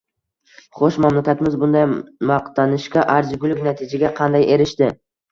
Xoʻsh, mamlakatimiz bunday maqtanishga arzigulik natijaga qanday erishdi?